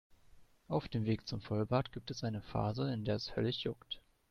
Auf dem Weg zum Vollbart gibt es eine Phase, in der es höllisch juckt.